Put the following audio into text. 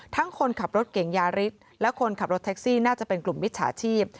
คนขับรถเก่งยาริสและคนขับรถแท็กซี่น่าจะเป็นกลุ่มมิจฉาชีพ